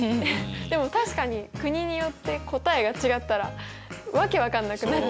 でも確かに国によって答えが違ったら訳分かんなくなっちゃうよね。